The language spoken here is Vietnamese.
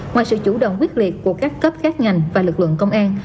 ngoài sự chủ động quyết liệt của các cấp các ngành và lực lượng công an